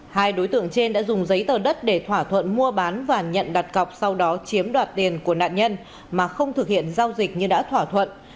hai đối tượng trên đã dùng giấy tờ đất để thỏa thuận mua bán và nhận đặt cọc sau đó chiếm đoạt tiền của nạn nhân mà không thực hiện giao dịch như đã thỏa thuận